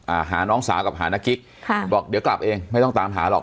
อ่าหาน้องสาวกับหานักกิ๊กค่ะบอกเดี๋ยวกลับเองไม่ต้องตามหาหรอก